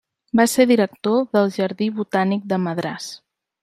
Va ser director del Jardí Botànic de Madràs.